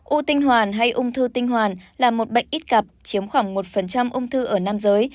o tinh hoàn hay ung thư tinh hoàn là một bệnh ít gặp chiếm khoảng một ung thư ở nam giới